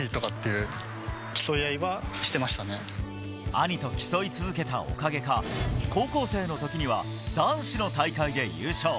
兄と競い続けたおかげか、高校生の時には男子の大会で優勝。